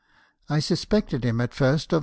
I suspected him at first of mk.